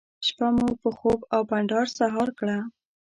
شپه مو په خوب او بانډار سهار کړه.